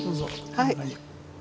はい。